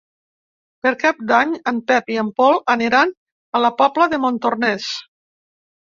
Per Cap d'Any en Pep i en Pol aniran a la Pobla de Montornès.